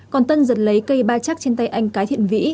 còn tân giật lấy cây ba chắc trên tay anh cái thiện vĩ